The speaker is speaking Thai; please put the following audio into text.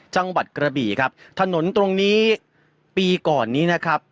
จังหวัดกระบี่ครับถนนตรงนี้ปีก่อนนี้นะครับ